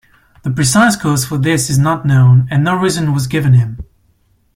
The precise cause for this is not known, and no reason was given him.